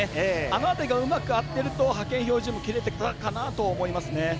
あの辺りがうまく合っていると派遣標準、切れてたかなと思いますね。